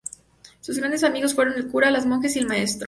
Sus grandes amigos fueron el cura, las monjas y el maestro.